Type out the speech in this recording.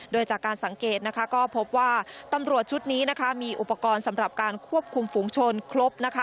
โดยจากการสังเกตนะคะก็พบว่าตำรวจชุดนี้นะคะมีอุปกรณ์สำหรับการควบคุมฝูงชนครบนะคะ